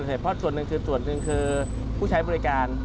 เฉพาะส่วนหนึ่งคือผู้ใช้บริการ